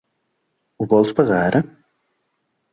Ho vols pagar ara?